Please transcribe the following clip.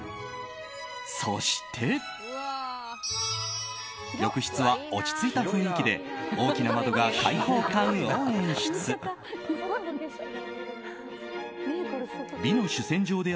そして、浴室は落ち着いた雰囲気で大きな窓が開放感を演出。